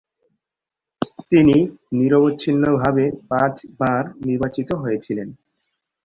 তিনি নিরবচ্ছিন্নভাবে পাঁচবার নির্বাচিত হয়েছিলেন।